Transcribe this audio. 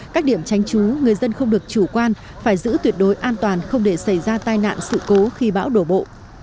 các điểm tránh trú người dân không được chủ quan phải giữ tuyệt đối an toàn không để xảy ra tai nạn sự cố khi bão đổ bộ